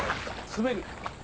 滑る。